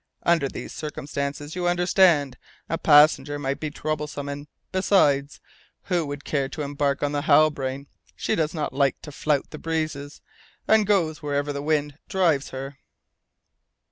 Under these circumstances, you understand, a passenger might be troublesome, and besides, who would care to embark on the Halbrane? she does not like to flout the breezes, and goes wherever the wind drives her."